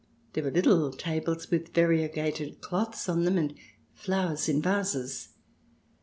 There were little tables with variegated cloths on them and flowers in vases.